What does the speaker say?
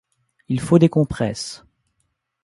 Il faut des compresses !